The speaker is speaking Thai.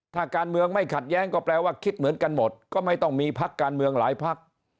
ถ้าการเมืองไม่ขัดแย้งก็แปลว่าคิดเหมือนกันหมดก็ไม่ต้องมีพักการเมืองหลายพัก